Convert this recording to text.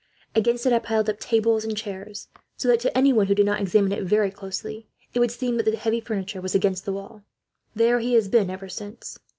Against it I piled up tables and chairs; so that, to anyone who did not examine it very closely, it would seem that the heavy furniture was against the wall. "'There he has been, ever since.